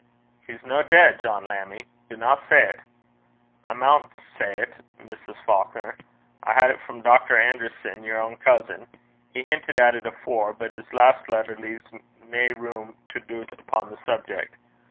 'He's no deid, John Lammie? Dinna say 't.' 'I maun say 't, Mrs. Faukner. I had it frae Dr. Anderson, yer ain cousin. He hintit at it afore, but his last letter leaves nae room to doobt upo' the subjeck.